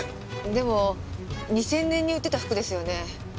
でも２０００年に売ってた服ですよね？